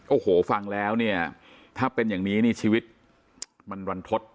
โอ้โหฟังแล้วเนี่ยถ้าเป็นอย่างนี้นี่ชีวิตมันรันทศ